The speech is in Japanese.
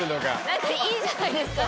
何かいいじゃないですか？